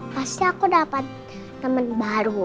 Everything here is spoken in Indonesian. pasti aku dapat teman baru